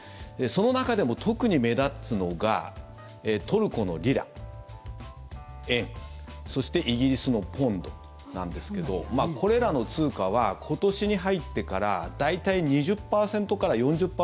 その中でも特に目立つのがトルコのリラ、円そしてイギリスのポンドなんですけどこれらの通貨は今年に入ってから大体２０％から４０％